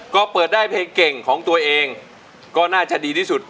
ก็เปิดได้เพลงเก่งของตัวเองก็น่าจะดีที่สุด